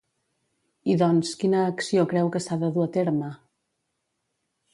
I doncs, quina acció creu que s'ha de dur a terme?